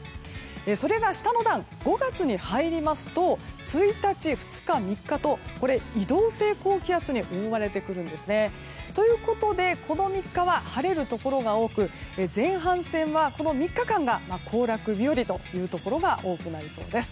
それが下の段、５月に入りますと１日、２日、３日と移動性高気圧に覆われてくるんですね。ということで、この３日は晴れるところが多く前半戦はこの３日間が行楽日和というところが多くなりそうです。